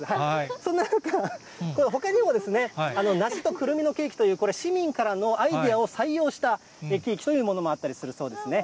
そんな中、これ、ほかにも梨とクルミのケーキという、市民からのアイデアを採用したケーキというものもあったりするそうですね。